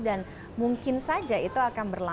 dan mungkin saja itu akan